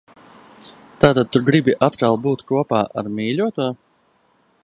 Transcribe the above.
Tātad tu gribi atkal būt kopā ar mīļoto?